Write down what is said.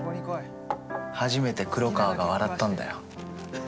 初めて黒川が笑ったんだよ。